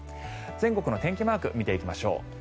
全国の天気マーク見ていきましょう。